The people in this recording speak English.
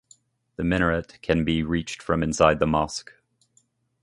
The minaret can be reached from inside the mosque.